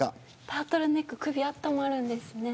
タートルネック首、あったまるんですね。